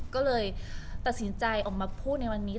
ก็เลยตัดสินใจออกมาพูดในวันนี้